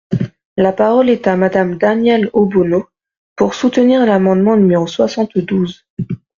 La parole est à Madame Danièle Obono, pour soutenir l’amendement numéro soixante-douze.